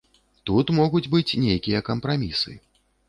Тут могуць быць нейкія кампрамісы.